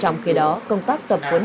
trong khi đó công tác tập quấn